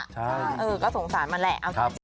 ใช่เอิ่มก็โสศญมันแหละ